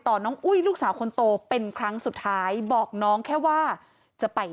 น้องอุ้ยลูกสาวคนโตเป็นครั้งสุดท้ายบอกน้องแค่ว่าจะไป